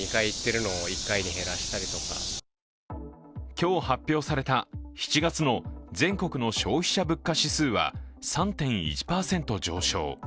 今日発表された７月の全国消費者物価指数は３．１％上昇。